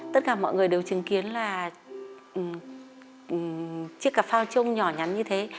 tất cả mọi người đều chứng kiến là chiếc cặp phao trông nhỏ nhắn như thế